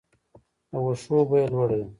د واښو بیه لوړه ده؟